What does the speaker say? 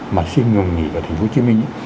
mà xin ngừng nghỉ ở thành phố hồ chí minh